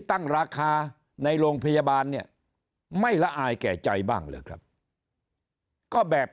ตั้งราคาในโรงพยาบาลเนี่ยไม่ละอายแก่ใจบ้างเหรอครับก็แบบ